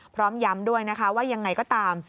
พร้อมย้ำด้วยนะคะว่ายังไงก็ตาม